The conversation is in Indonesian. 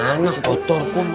ini masih kotor kum